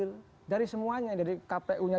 betul dari semuanya dari kpu nya